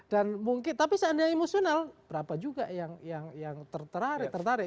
dan mungkin tapi seandainya emosional berapa juga yang tertarik tertarik